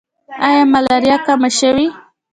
آیا ملاریا کمه شوې؟